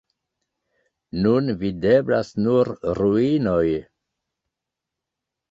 Nun videblas nur ruinoj.